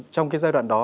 trong cái giai đoạn đó